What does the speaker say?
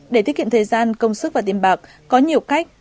để thiết kiện thời gian công sức và tiền bạc có nhiều cách